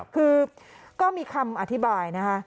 คือก็มีคำอธิบายนะคะ